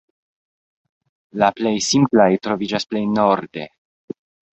La plej simplaj troviĝas plej norde.